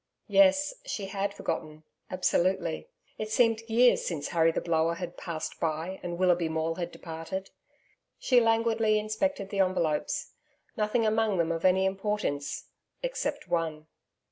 Yes, she had forgotten, absolutely; it seemed years since Harry the Blower had passed by and Willoughby Maule had departed. She languidly inspected the envelopes. Nothing among them of any importance except one.